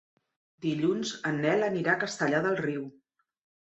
Dilluns en Nel anirà a Castellar del Riu.